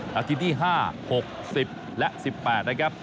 นาทีที่๕๖๐และ๑๘นะครับ